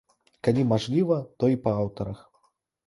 Калі мажліва, то і па аўтарах.